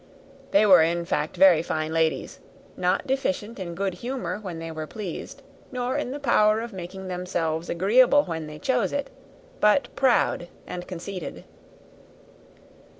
They were, in fact, very fine ladies; not deficient in good humour when they were pleased, nor in the power of being agreeable where they chose it; but proud and conceited.